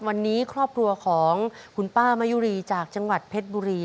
วันนี้ครอบครัวของคุณป้ามะยุรีจากจังหวัดเพชรบุรี